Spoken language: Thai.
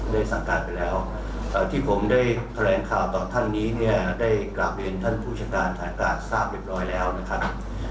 สั่งการไปแล้วที่ผมได้แถลงข่าวต่อท่านนี้เนี่ยได้กราบเรียนท่านผู้จัดการฐานการทราบเรียบร้อยแล้วนะครับ